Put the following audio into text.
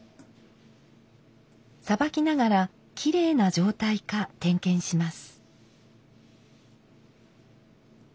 さばきながらきれいな状態か点検します。